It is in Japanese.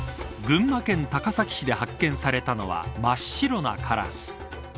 群馬県高崎市で発見されたのは真っ白なカラス。